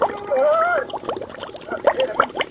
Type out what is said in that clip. هغه لاره به تباه کړو لاس په لاس به مو تل یون وي-